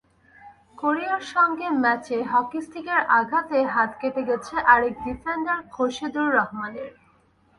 কোরিয়ার সঙ্গে ম্যাচে হকিস্টিকের আঘাতে হাত কেটে গেছে আরেক ডিফেন্ডার খোরশেদুর রহমানের।